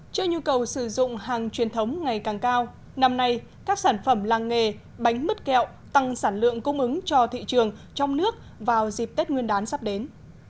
trước nhu cầu sử dụng hàng truyền thống ngày càng cao năm nay các sản phẩm làng nghề bánh mứt kẹo tăng sản lượng cung ứng cho thị trường trong nước vào dịp tết nguyên đán sắp đến